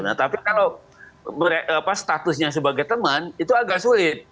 nah tapi kalau statusnya sebagai teman itu agak sulit